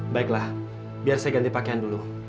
baiklah biar saya ganti pakaian dulu